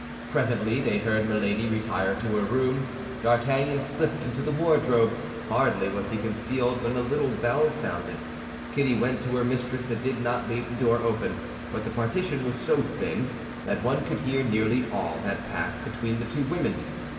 Presently they heard Milady retire to her room. D'Artagnan slipped into the wardrobe. Hardly was he concealed when the little bell sounded. Kitty went to her mistress, and did not leave the door open; but the partition was so thin that one could hear nearly all that passed between the two women.